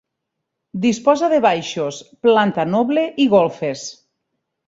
Disposa de baixos, planta noble i golfes.